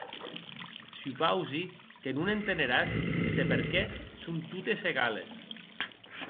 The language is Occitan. Supausi que non enteneràs se per qué son totes egales.